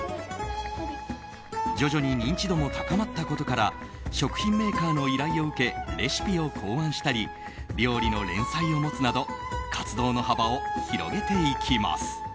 徐々に認知度も高まったことから食品メーカーの依頼を受けレシピを考案したり料理の連載を持つなど活動の幅を広げていきます。